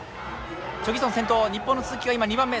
チョ・ギソン先頭日本の鈴木が今２番目。